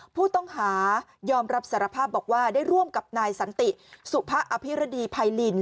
ผู้ต้องหายอมรับสารภาพบอกว่าได้ร่วมกับนายสันติสุภะอภิรดีไพริน